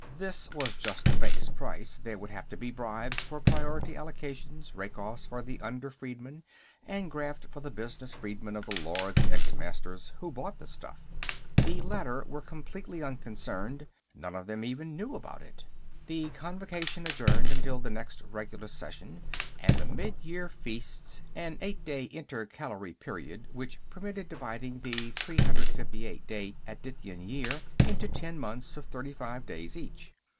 This was just a base price; there would have to be bribes for priority allocations, rakeoffs for the under freedmen, and graft for the business freedmen of the Lords ex Masters who bought the stuff. The latter were completely unconcerned; none of them even knew about it. The Convocation adjourned until the next regular session, at the Midyear Feasts, an eight day intercalary period which permitted dividing the 358 day Adityan year into ten months of thirty five days each.